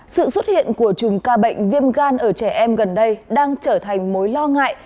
sự xuất hiện của chùm ca bệnh viêm gan ở trẻ em gần đây đang trở thành mối lo ngại